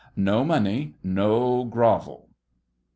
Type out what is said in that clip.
No money, no grovel!